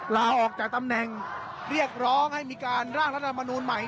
ลาออกจากตำแหน่งเรียกร้องให้มีการร่างรัฐมนูลใหม่